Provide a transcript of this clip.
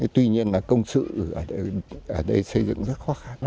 tuy nhiên là công sự ở đây xây dựng rất khó khăn